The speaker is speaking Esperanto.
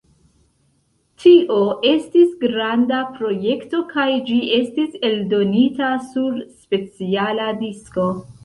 Tio estis granda projekto kaj ĝi estis eldonita sur speciala disko.